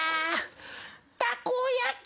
「たこ焼き